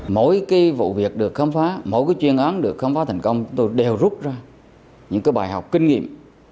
mỗi cái vụ việc được khám phá mỗi chuyên án được khám phá thành công tôi đều rút ra những cái bài học kinh nghiệm